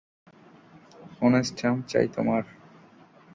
কোন স্ট্যাম্প চাই তোমার?